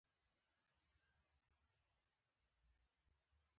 دغه موقیعت کولای شي زرین فرصت شي.